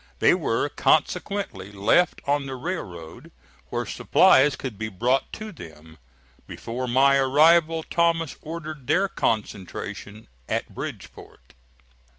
They were consequently left on the railroad, where supplies could be brought to them. Before my arrival, Thomas ordered their concentration at Bridgeport.